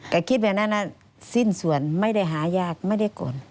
แต่คิดแบบนั้นสิ้นส่วนไม่ได้หายากไม่ได้ก่อน